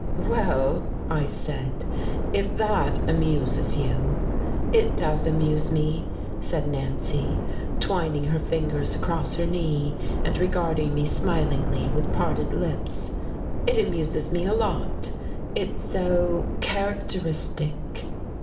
"Well," I said, "if that amuses you " "It does amuse me," said Nancy, twining her fingers across her knee and regarding me smilingly, with parted lips, "it amuses me a lot it's so characteristic."